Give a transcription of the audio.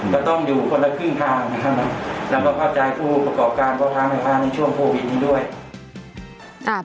ก็ต้องอยู่คนละครึ่งทางนะครับแล้วก็เข้าใจผู้ประกอบการพอทางไฟฟ้าในช่วงโควิดนี้ด้วย